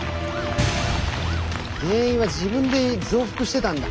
原因は自分で増幅してたんだ。